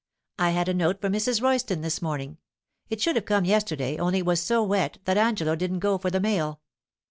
I had a note from Mrs. Royston this morning. It should have come yesterday, only it was so wet that Angelo didn't go for the mail.